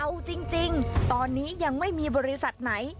เอาจริงตอนนี้ยังไม่มีบริษัทไหน